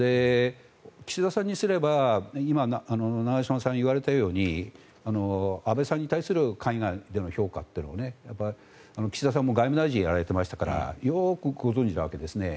岸田さんにすれば今、長嶋さんが言われたように安倍さんに対する海外での評価という岸田さんも外務大臣をやられていましたからよくご存じなわけですね。